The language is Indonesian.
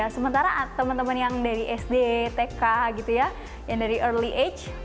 sementara teman teman yang dari sd tk gitu ya yang dari early age